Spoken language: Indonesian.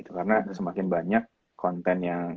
karena semakin banyak konten yang